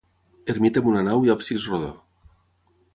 Ermita amb una nau i absis rodó.